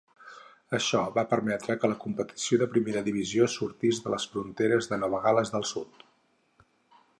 Això va permetre que la competició de primera divisió sortís de les fronteres de Nova Gal·les del Sud.